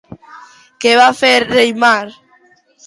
Què va fer Hreidmar?